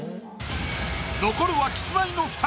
残るはキスマイの２人。